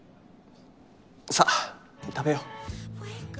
さっ食べよう